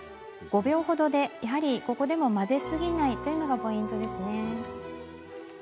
５秒程で、やはりここでも混ぜすぎないというのがポイントです。